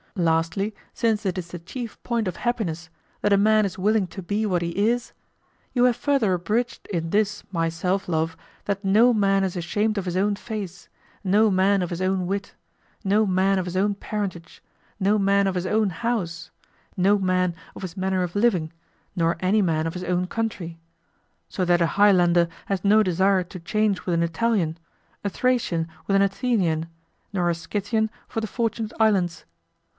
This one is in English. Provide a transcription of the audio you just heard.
Lastly, since it is the chief point of happiness "that a man is willing to be what he is," you have further abridged in this my Self love, that no man is ashamed of his own face, no man of his own wit, no man of his own parentage, no man of his own house, no man of his manner of living, nor any man of his own country; so that a Highlander has no desire to change with an Italian, a Thracian with an Athenian, nor a Scythian for the Fortunate Islands.